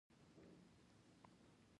په افغانستان کې سنگ مرمر شتون لري.